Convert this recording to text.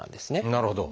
なるほど。